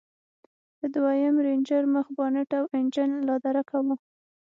د دويم رېنجر مخ بانټ او انجن لادرکه و.